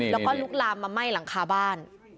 แล้วก็ลุกลามมาไหม้หลังคาบ้าน